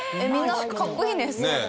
みんなかっこいいね。